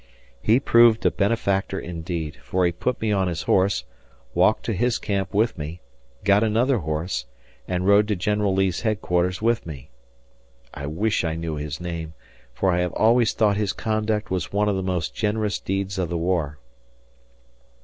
He proved a benefactor indeed, for he put me on his horse, walked to his camp with me, got another horse, and rode to General Lee's headquarters with me. I wish I knew his name, for I have always thought his conduct was one of the most generous deeds of the war.